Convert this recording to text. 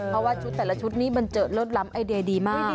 เพราะว่าแต่ละชุดมันเจอโลดร้ำไอเดียดีมาก